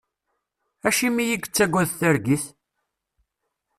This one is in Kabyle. Acimi i yettaggad targit?